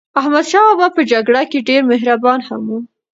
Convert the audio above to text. احمدشاه بابا په جګړه کې ډېر مهربان هم و.